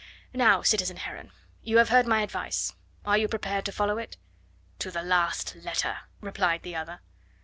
Now, citizen Heron, you have heard my advice; are you prepared to follow it?" "To the last letter," replied the other.